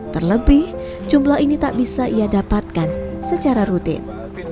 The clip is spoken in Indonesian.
terlebih jumlah ini tak bisa ia dapatkan secara rutin